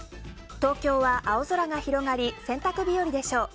東京は青空が広がり洗濯日和でしょう。